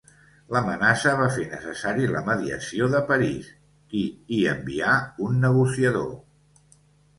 L'amenaça va fer necessari la mediació de París, qui hi envià un negociador.